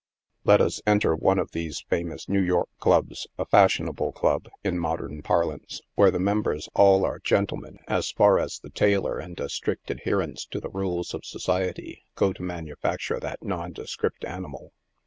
Let us enter one of these famous New York club3— a fashionable club, in modern parlance— where the members arc all gentlemen, as A FASHIONABLE CLUB HOUSE. 7 far as the tailor and a strict adherence to the rale3 of society go to manufacture that nondescript animal.